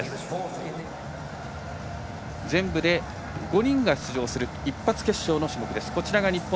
全部で５人が出場する一発決勝の種目です。